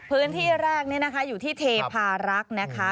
พื้นที่แรกนี่นะคะอยู่ที่เทพารักษ์นะคะ